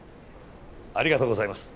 ありがとうございます。